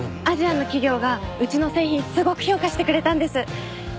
アジアの企業がうちの製品すごく評価してくれたんです。